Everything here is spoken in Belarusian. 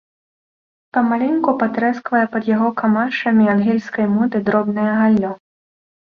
Памаленьку патрэсквае пад яго камашамі, ангельскай моды, дробнае галлё.